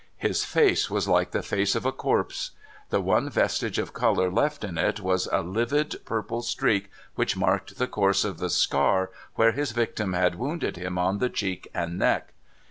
His face was like the face of a corpse. The one vestige of colour left in it was a livid purple streak which marked the course of the scar where his victim had wounded him on the cheek and neck.